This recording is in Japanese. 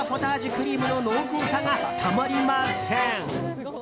クリームの濃厚さが、たまりません。